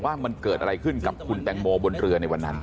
ว่ามันเกิดอะไรขึ้นกับคุณแตงโมบนเรือในวันนั้น